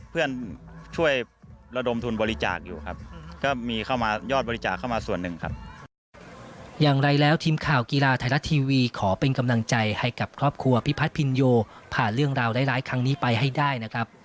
เพื่อนช่วยระดมทุนบริจาคอยู่ครับก็มีศึกษายอดบริจาคเข้ามาส่วนนึงครับ